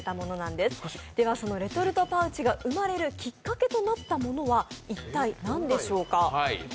では、そのレトルトパウチが生まれるきっかけとなったものは一体何でしょうか？